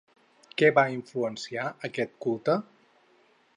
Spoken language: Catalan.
Què va influenciar aquest culte?